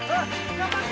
頑張って！